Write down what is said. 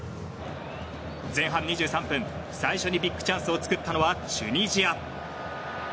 前半２３分、最初にビッグチャンスを作ったのはチュニジア。